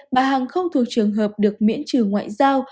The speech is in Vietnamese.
bà hằng không thuộc trường hợp được miễn trừ ngoại giao